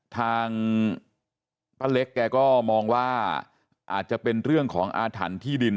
ทางป้าเล็กแกก็มองว่าอาจจะเป็นเรื่องของอาถรรพ์ที่ดิน